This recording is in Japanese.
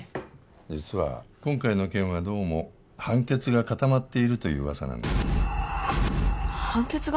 実は今回の件はどうも判決が固まっているという噂なんだ判決が？